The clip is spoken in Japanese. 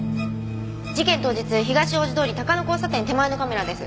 事件当日東大路通高野交差点手前のカメラです。